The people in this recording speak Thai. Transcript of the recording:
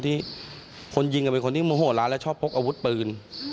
มีคนที่มหัวร้ายและชอบทำปืน